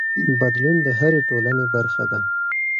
بدلون د هرې ټولنې برخه ده.